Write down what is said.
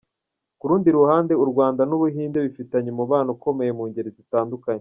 Ku rundi ruhande, u Rwanda n’u Buhinde bifitanye umubano ukomeye mu ngeri zitandukanye.